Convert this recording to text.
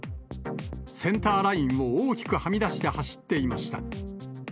センターラインを大きくはみ出して走っていました。